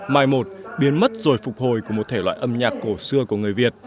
mài một biến mất rồi phục hồi của một thể loại âm nhạc cổ xưa của người việt